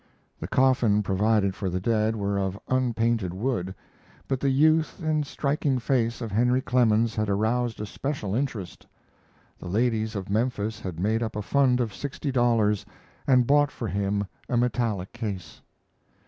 The coffin provided for the dead were of unpainted wood, but the youth and striking face of Henry Clemens had aroused a special interest. The ladies of Memphis had made up a fund of sixty dollars and bought for him a metallic case.